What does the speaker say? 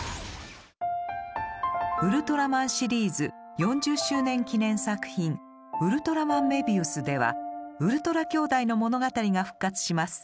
「ウルトラマン」シリーズ４０周年記念作品「ウルトラマンメビウス」ではウルトラ兄弟の物語が復活します。